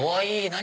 何？